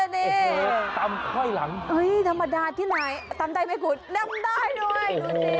อนุสาธิบุนเวอร์ดูนี่